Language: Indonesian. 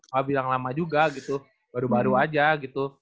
gak bilang lama juga gitu baru baru aja gitu